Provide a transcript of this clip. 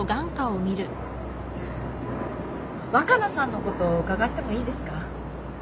若菜さんのこと伺ってもいいですか？